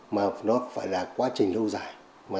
mà nó phải là quá trình lâu dài